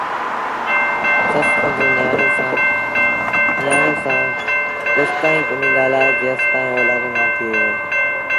سس پنڊري نيٚآڻي سآݩ تيسائيٚݩ ڪونهيٚ ڳآلآئي جيستائيٚݩ اولآد نا ٿئي وهي